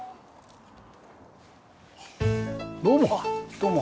どうも。